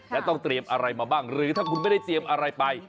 และต้องเตรียมอะไรมาบ้างหรือถ้าคุณไม่ได้เตรียมอะไรไป